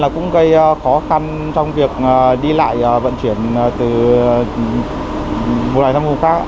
cũng gây khó khăn trong việc đi lại vận chuyển từ một lần thăm hồ khác